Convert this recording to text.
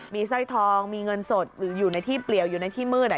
มีสร้อยทองมีเงินสดหรืออยู่ในที่เปลี่ยวอยู่ในที่มืด